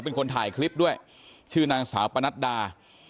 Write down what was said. เป็นคนถ่ายคลิปด้วยชื่อนางสาวปนัดดา